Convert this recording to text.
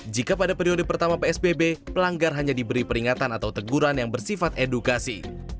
jika pada periode pertama psbb pelanggar hanya diberi peringatan atau teguran yang bersifat edukasi